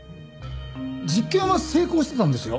実験は成功してたんですよ。